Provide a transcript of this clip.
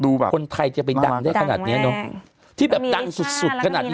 คนไทยจะไปดังได้ขนาดเนี้ยเนอะที่แบบดังสุดสุดขนาดนี้